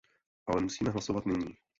Ale musíme hlasovat nyní.